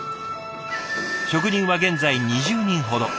職人は現在２０人ほど。